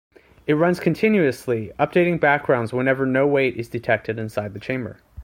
It runs continuously, updating backgrounds whenever no weight is detected inside the chamber.